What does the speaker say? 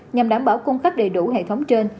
nhằm đảm bảo cung cấp đầy đủ hệ thống trên